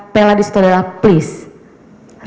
tela disitu adalah please